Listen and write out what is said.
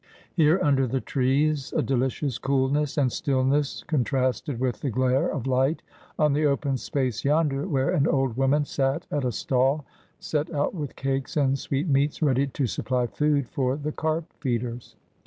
Here under the trees a delicious coolness and stillness contrasted with the glare of light on the open space yonder, where an old woman sat at a stall, set out with cakes and sweetmeats, ready to supply food for the carp feeders.